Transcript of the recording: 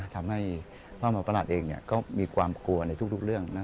ทำให้พระหมอประหลัดเองก็มีความกลัวในทุกเรื่อง